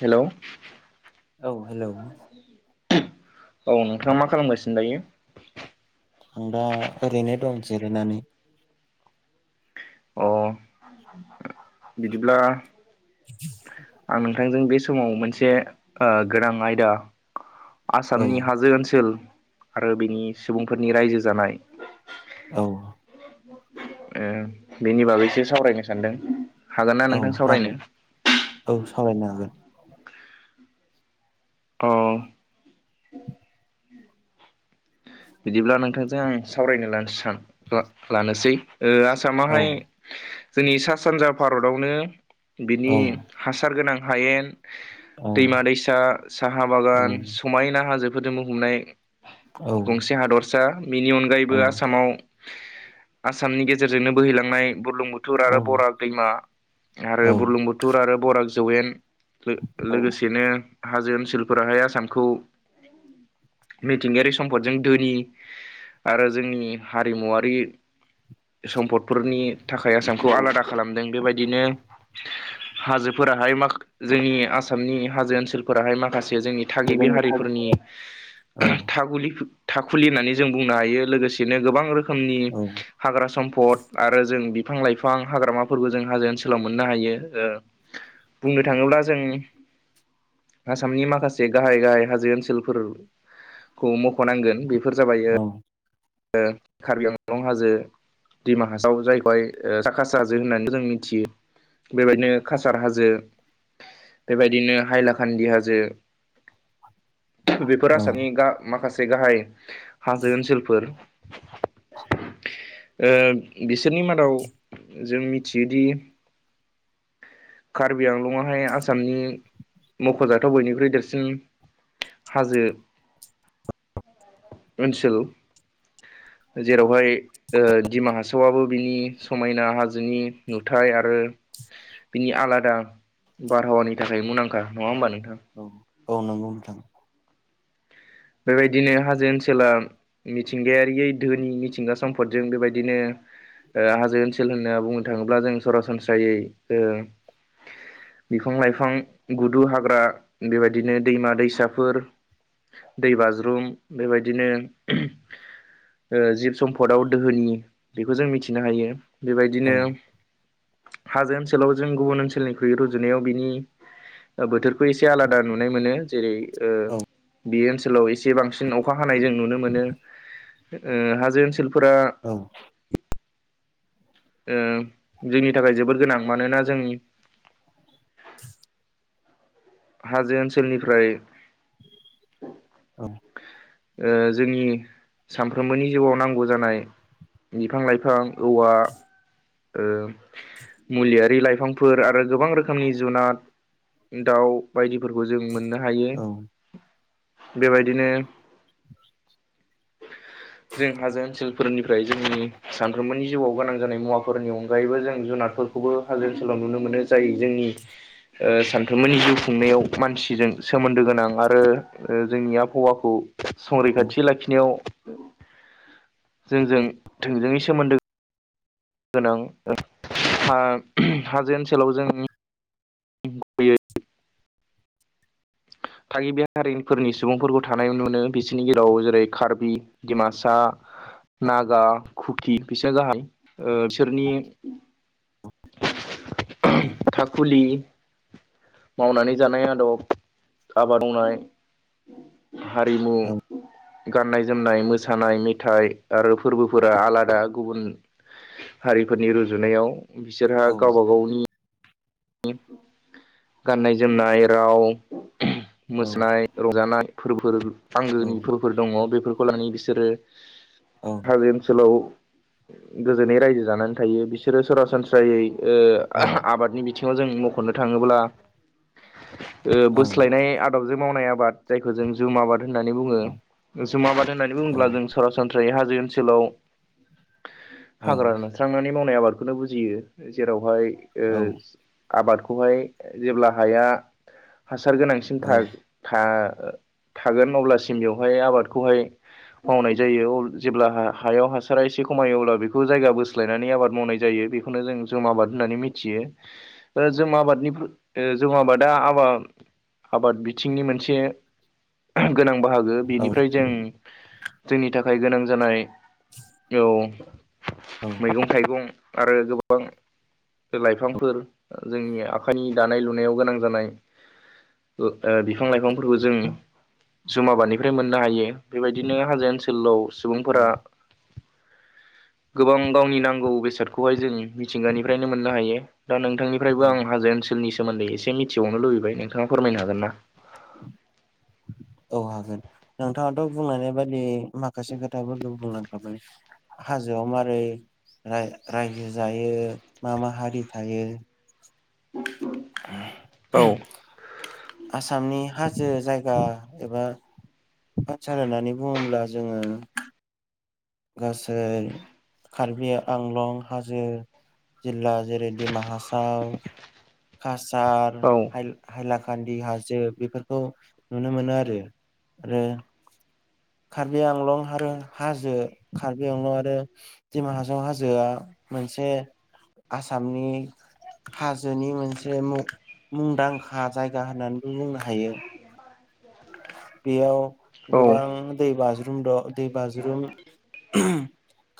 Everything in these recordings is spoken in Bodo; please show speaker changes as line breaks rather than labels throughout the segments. हेलौ
औ हेलौ
[inaudible] औ नोंथांङा मा खालामगासिनो दायो।
आं दा ओरैनो दं जिरायनानै
अ बिदिब्ला
बि [inaudible]
आं नोंथांजों बे समाव मोनसे ओ गोनां आयदा
औ
आसामनि हाजो ओनसोल आरो बिनि सुबुंफोरनि रायजो जानाय
औ
ओ बेनि बागैसो सावरायनो सानदों। हागोन ना
औ
नोंथां सावरायनो
हागोन औ सावरायनो हागोन।
अ। बिदिब्ला नोंथांजों आं सावरायनो लानो सान ला-लानोसै। ओ आसामाहाय जोंनि सा सानजा भारतावनो बिनि
औ
हासार गोनां हायेन दैमा दैसा साहा
औ
बागान समायना हाजोफोरजों बुंफबनाय।
औ।
गंसे हादरसा बिनि
औ
अनगायैबो आसामाव आसामनि गेजेरजोंनो बोहैलांनाय बुर्लंबु थुर
औ
आरो बराग दैमा आरो
औ
बुरलुं बुथुर आरो बराग जौवेन।
औ
लोगोसेनो हाजो ओनसोलफोराहाय आसामखौ मिथिंगायारि सम्पदजों धोनि आरो जोंनि हारिमुवारि सम्पदफोरनि थाखाय आसामखौ आलादा खालामदों बेबायदिनो हाजोफोराहाय माखा जोंनि आसामनि हाजो ओनसोलफोराहाय माखासे जोंनि थागिबि हारिफोरनि थाखुलि थाखुलि होननानै जों बुंनो हायो लोगोसेनो गोबां रोखोमनि हाग्रा सम्फद आरो जों बिफां लाइफां हाग्रामाफोरबो जों हाजो ओनसोलाव मोननो हायो। ओ
[inaudible]
बुंनो थाङोब्ला जों आसामनि माखासे गाहाय गाहाय हाजो ओनसोलफोरखौ मख'नांगोन बेफोर जाबाय
औ
कार्बि आंलं हाजो दिमा हासाव जायखौहाय जाखास हाजो होननानैबो जों मिथियो। बेबायदिनो कासार हाजो बेबायदिनो हाइलाखान्दि हाजो। बेफोर
औ
आसामनि माखासे गाहाय हाजो ओनसोलफोर।
[inaudible]
बिसोरनि मादाव जों मिथियोदि कार्बि आंलंआहाय आसामनि मख'जाथाव बयनिख्रुइ देरसिन हाजो ओनसोल। जेरावहाय दिमाहासावाबो बिनि समायना हाजोनि नुथाय आरो बिनि आलादा बारहावानि थाखाय मुंदांखा नङा होमबा नोंथां।
औ औ नंगौ नोंथां।
बेबायदिनो हाजो ओनसोला मिथिंगायारियै धोनि मिथिंगा सम्फदजों। बेबायदिनो हाजो ओनसोल होनना बुंनो थाङोब्ला जों सरासनस्रायै बिफां लाइफां गुदु हाग्रा बेबायदिनो दैमा दैसाफोर। दै बाज्रुम बेबायदिनो जिब सम्फदाव दोहोनि बेखौ जों मिथिनो हायो।
औ
बेबायदिनो हाजो ओनसोलाव जों गुबुन ओनसोलनिख्रुइ रुजुनायाव बिनि बोथोरखौ एसे आलादा नुनाय मोनो। जेरै
औ
बे ओनसोलाव एसे बांसिन अखा हानाय जों नुनो मोनो हाजो ओनसोलफोरा
औ।
जोंनि थाखाय जोबोद गोनां मानोना जों
[inaudible]
हाजो ओनसोलनिफ्राय
औ।
ओ जोंनि सानफ्रोमबोनि जिउआव नांगौ जानाय। बिफां लाइफां औवा ओ मुलियारि लाइफां फोर आरो गोबां रोखोमनि जुनाद दाउ बायदिफोरखौ जों मोननो हायो।
औ
बेबायदिनो जों हाजो ओनसोल फोरनिफ्राय जोंनि सानफ्रोमबोनि जिउआव गोनां जानाय मुवाफोरनि अनगायैबो जों जुनारफोर खौबो हाजो ओनसोलाव नुनो मोनो जाय जोंनि ओ सानफ्रोमनि जिउ खुंनायाव मानसिजों सोमोन्दो गोनां आरो जोंनि आबहावाखौ
औ
संरैखाथि लाखिनायाव जोंजों थोंजोङै सोमोनदो गोनां हाजो ओनसोलाव जों गुबैयै थागिबि हारिफोरनि सुबुंफोरखौ थानाय नुनो मोनो बिसोरनि गेजेराव जेरै कार्बि डिमासा नागा खुखि बिसोरो गाहाय ओ बिसोरनि थाखुलि मावनानै जानाय आदब आबाद मावनाय हारिमु
औ
गाननाय जोमनाय मोसानाय मेथाइ आरो फोरबोफोरा आलादा गुबुन हारिफोरनि रुजुनायाव बिसोरहा
औ
गावबा गावनि गाननाय जोमनाय राव मोसानाय रंजानाय फोरफोर आंगोनि फोरबोफोर दङ बेफोरखौ लानानै बिसोरो हाजो ओनसोलाव गोजोनै रायजो जानानै थायो बिसोरो सरासनस्रायै ओ आबादनि बि बिथिङाव जों मख'नो थाङोब्ला ओ बोस्लायनाय आदबजों मावनाय आबाद जायखौ जों जुम आबाद होननानै बुङो जुम आबाद होननानै बुङोब्ला जों सरासन हाजो ओनसोलाव हाग्रा सनस्रांनानै मावनाय आबाद बेखौनो बुजियो जेरावहाय ओ आबादखौहाय जेब्ला हाया हासार गोनांसिन था थागोन अब्लासिम बेवहाय आबादखौहाय मावनाय जायो जेब्ला हायाव हासारा एसे खमायो अब्ला बेखौ जायगा बोस्लायनानै आबाद मावनाय जायो बे नो जों जुम आबाद होननानै मिथियो जुम आबादनि ओ जुम आबादा आबा आबाद बिथिंनि मोनसे गोनां बाहागो बेनिफ्राय जों जोंनि थाखाय गोनां जानाय औ मैगं थाइगं आरो गोबां लाइफांफोर जोंनि आखाइनि दानाय लुनायाव गोनां जानाय ओ बिफां लाइफांफोरखौ जों जुम आबादानिफ्राय मोननो हायो बेबायदिनो हाजो ओनसोलाव
औ
सुबुंफोरा गोबां गावनि नांगौ बेसादखौहाय जों मिथिंगानिफ्रायनो मोननो हायो दा
औ
नोंथांनिफ्रायबो
औ
आं हाजो ओन स़लनि सोमोनदै एसे मिथिावनो लुबैबाय नोंथाङा फोरमायनो हागोन ना?
औ हागोन नोंथाङाथ' बुंनानै बादि माखासे खोथाफोरखौ बुंलांखाबाय हाजोयाव मारै रायजो जायो मा मा हारि थायो
औ
आसामनि हाजो जायगा एबा पन्चार होननानै बुङोब्ला जोङो गासै कार्बि आंलं हाजो जिल्ला जेरै डिमा हासाव कासार
औ
हायलु हायलाखान्दि हाजो बेफोरखौ नुनो मोनो आरो। आरो कार्बि आंलं आरो हाजो कार्बि आंलं आरो दिमा हासाव हाजोआ मोनसे आसामनि हाजोनि मोनसे मुं मुंदांखा जायगा होननानैबो बुंनो हायो। बेयाव
औ
गोबां दै बाज्रुम दं दै बाज्रुम उम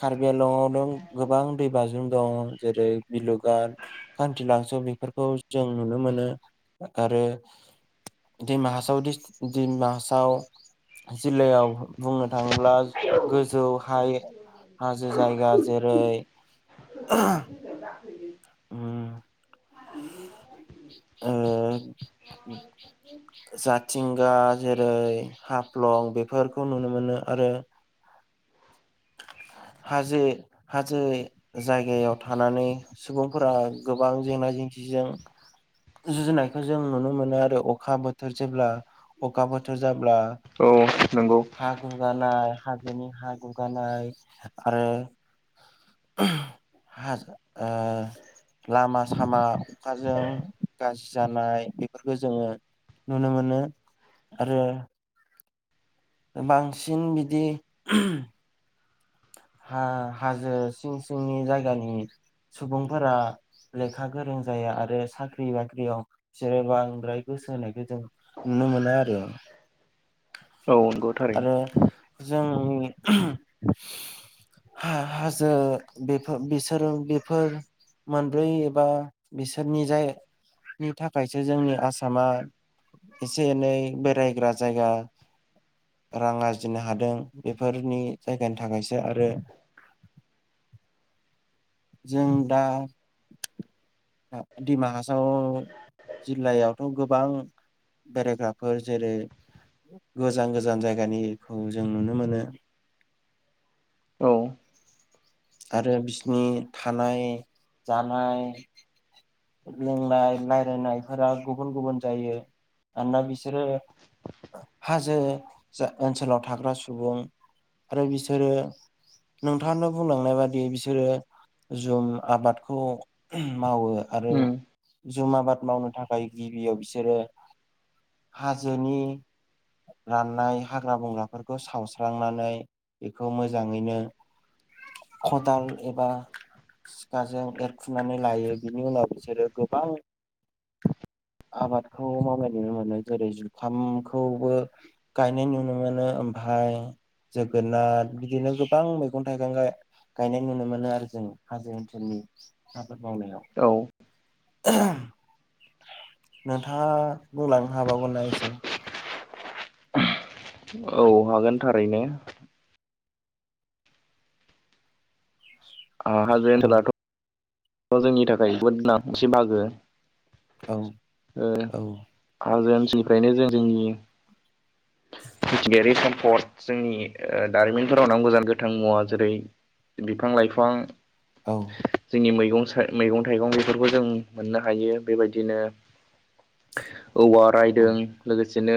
कार्बि आंलंआव दं गोबां दै बाजुम दं जेरै बिलुगाट खानथिलांसो बेफोरखौ जों नुनो मोनो आरो दिमा हासाव दिस दिमा हासाव जिल्लायाव बुंनो थाङोब्ला गोजौ हाये हाजो जायगा जेरै ओम
[unintelligible]
ओ जाथिंगा जेरै हाफ्लं बेफोरखौ नुनो मोनो आरो। हाजो हाजो जायगायाव थानानै सुबुंफोरा गोबां जेंना जेंसिजों जुजुनायखौ जों नुनो मोनो आरो अखा बोथोर जेब्ला अखा बोथोर जाब्ला
औ नंगौ
हा गुगानाय हाजोनि हा गुगानाय आरो हा ओ लामा सामा अखाजों गाज्रि जानाय बेफोरखौ जोङो नुनो मोनो आरो बांसिन बिदि हा हाजो सिं सिंनि जायगानि सुबुंफोरा लेखा गोरों जाया आरो साख्रि बाख्रियाव जेरै बो बांद्राय गोसो होनायखौ जों नुनो मोनो आरो
औ नंगौ थारैनो
आरो जोंनि हा हाजो बेफोर बिसोरो बेफोर मोनब्रै एबा बिसोरनि जायनि थाखायसो जोंनि आसामा एसे एनै बेरायग्रा जायगा रां आरजिनो हादों बेफोरनि जायगानि थाखायसो आरो जों दा डिमा हासाव जिल्लायावथ' गोबां बेरायग्राफोर जेरै गोजान गोजान जायगानिखौ जों नुनो मोनो।
औ
आरो बिसिनि थानाय जानाय लोंनाय रायलायनायफोरा गुबुन गुबुन जायो। मानोना बिसोरो हाजो जा ओनसोलाव थाग्रा सुबुं आरो बिसोरो नोंथाङानो बुंलांनाय बादि बिसोरो जुम आबादखौ मावो आरो
उम
जुम आबाद मावनो थाखाय गिबियाव बिसोरो हाजोनि राननाय हाग्रा बंग्राफोरखौ सावस्रांनानै बेखौ मोजाङैनो खदाल एबा सिखाजों एरखुनानै लायो बिनि उनाव बिसोरो गोबां आबादखौ मावनाय नुनो मोनो जेरै जुखामखौबो गायनाय नुनो मोनो ओमफ्राय जोगोनार बिदिनो गोबां मैगं थाइगं गायनाय नुनो मोनो आरो जों हाजो ओनसोलनि आबाद मावनायाव
औ
नोंथाङा बुंलांनो हाबावगोनना एसे
औ हागोन थारैनो ओ हाजो
औ
ओनसोलाथ' जोंनि थाखाय जोबोद गोनां एसे बाहागो
औ
ओ
औ
हाजो ओनसोलनिफ्रायनो जों जोंनि मिथिंगायारि सम्पद जोंनि ओ दारिमिनफोराव नांगौ गोजान गोथां मुवा जेरै बिफां लाइफां
औ
जोंनि मैगं मैगं थाइगं बेफोरबो जों मोननो हायो। बेबायदिनो औवा रायदों लोगोसेनो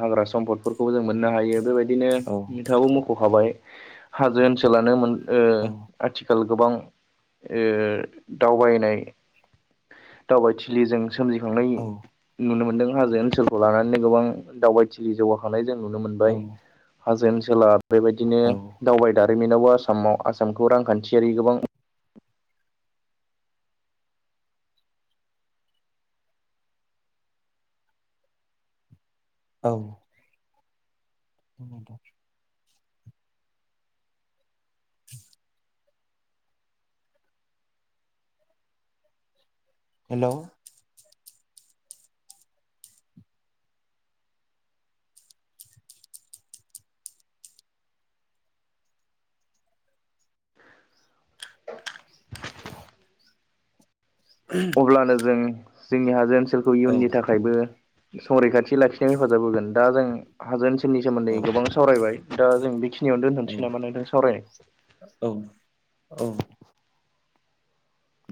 हाग्रा सम्फदफोरखौबो जों मोननो हायो बेबायदि बिदिनो
औ
नोंथाङाबो मख'खाबाय हाजो ओनसोलानो मोन‌ ओ आथिखाल गोबां ओ दावबायनाय दावबायथिलिजों सोमजिखांनाय नुनो मोनदों हाजो ओनसोलखौ लानानैनो गोबां दावबाय जौगाखांनाय जों नुनो
औ
मोनबाय हाजो ओनसोला बेबायदिनो दावबायदा जारिमिनावबो आसामाव आसामखौ रांखान्थियारि गोबां
औ औ नोंथां [unintelligible] हेल'औ [unintelligible] [unintelligible]
अब्लानो जों जोंनि हाजो ओनसोलखौ
औ
इयुननि थाखायबो संरैखाथि लाखिनाय हेफाजाब होगोन। दा जों हाजो ओनसोलनि सोमोन्दै
औ
गोबां सावरायबाय दा जों बेखिनियावनो
औ
दोनथनोसै नामा नोंथां सावरायनाय
औ औ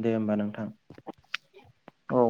दे होमबा नोंथां।
औ